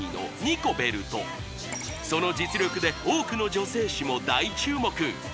その実力で多くの女性誌も大注目